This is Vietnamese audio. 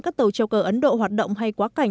các tàu treo cờ ấn độ hoạt động hay quá cảnh